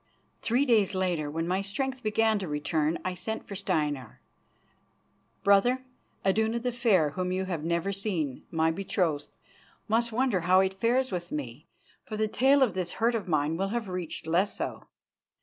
Three days later, when my strength began to return, I sent for Steinar and said: "Brother, Iduna the Fair, whom you have never seen, my betrothed, must wonder how it fares with me, for the tale of this hurt of mine will have reached Lesso.